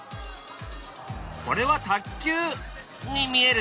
これは卓球に見えるでしょ？